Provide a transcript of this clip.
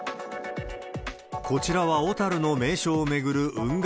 こちらは小樽の名所を巡る運河